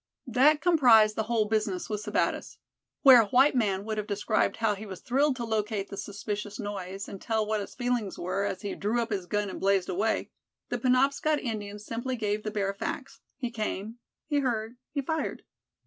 That comprised the whole business with Sebattis. Where a white man would have described how he was thrilled to locate the suspicious noise; and tell what his feelings were as he drew up his gun and blazed away; the Penobscot Indian simply gave the bare facts—he came, he heard, he fired.